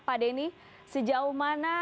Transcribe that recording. pak denny sejauh mana